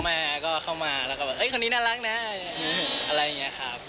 มาก็เข้ามาแล้วก็แบบคนนี้น่ารักนะอะไรอย่างนี้ครับ